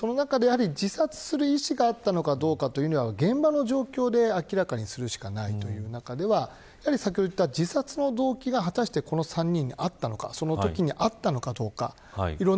その中で自殺する意思があったかどうかは現場の状況で明らかにするしかない中では先ほど言った、自殺の動機がこの３人にあったのかそのときにあったのかどうか。